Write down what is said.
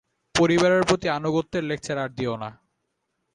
পরিবারের প্রতি আনুগত্যের লেকচার আর দিও না।